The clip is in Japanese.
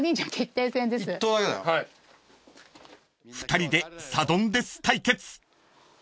［２人でサドンデス対決］